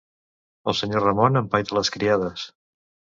El senyor Ramon empaita les criades